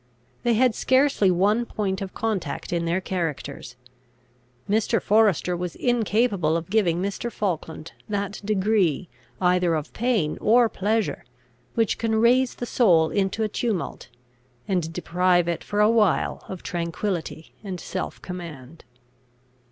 They had scarcely one point of contact in their characters. Mr. Forester was incapable of giving Mr. Falkland that degree either of pain or pleasure, which can raise the soul into a tumult, and deprive it for a while of tranquillity and self command.